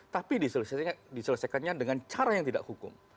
tapi diselesaikannya dengan cara yang tidak hukum